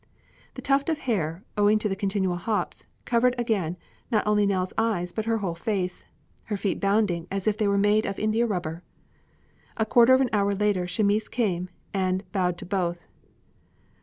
The tuft of hair, owing to the continual hops, covered again not only Nell's eyes but her whole face, her feet bounding as if they were made of India rubber. A quarter of an hour later, Chamis came and bowed to both.